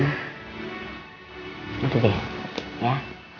gitu deh ya